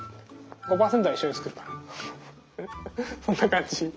そんな感じ。